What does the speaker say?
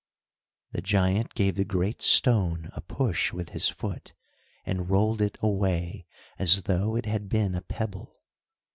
The giant gave the great stone a push with his foot, and rolled it away as though it had been a pebble.